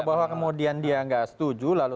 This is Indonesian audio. bahwa kemudian dia nggak setuju lalu